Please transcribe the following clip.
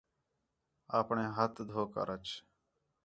آپݨے ہتھ دھو کر اَچ